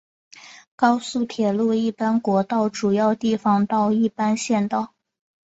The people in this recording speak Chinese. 高速道路一般国道主要地方道一般县道